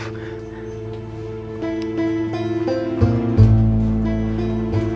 pada saat itu